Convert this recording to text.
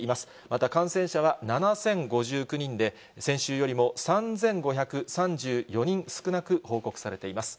また、感染者は７０５９人で、先週よりも３５３４人少なく報告されています。